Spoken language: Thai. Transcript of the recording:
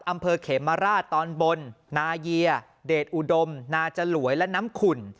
อำเภอเขมราชตอนบนนาเยียเดชอุดมนาจลวยและน้ำขุ่น